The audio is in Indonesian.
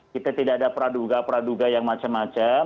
kita tidak ada peraduga peraduga yang macam macam